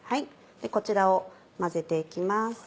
こちらを混ぜて行きます。